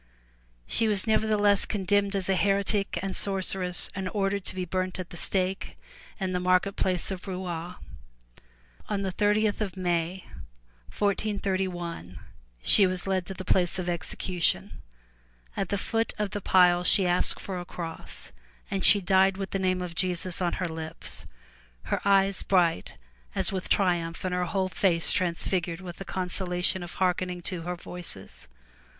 *' She was nevertheless condemned as a heretic and sorceress and ordered to be burnt at the stake in the market place at Rouen. On the thirtieth of May, 1431, she was led to the place of execu tion. At the foot of the pile, she asked for a cross, and she died with the name of Jesus on her lips, her eyes bright as with triumph and her whole face transfigured with the consolation of hearken ing to her Voices.